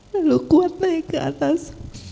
lalu kuat naik ke atas